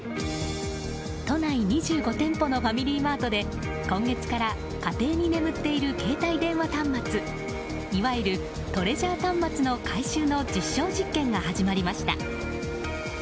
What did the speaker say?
都内２５店舗のファミリーマートで今月から家庭に眠っている携帯電話端末いわゆるトレジャー端末の回収の実証実験が始まりました。